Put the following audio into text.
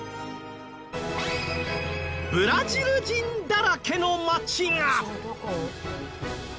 ブラジル人だらけの街が！